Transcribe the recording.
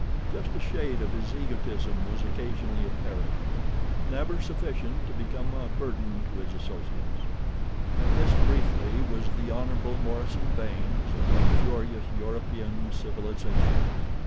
Just a shade of his egotism was occasionally apparent—never sufficient to become a burden to his associates. And this, briefly, was the Hon. Morison Baynes of luxurious European civilization.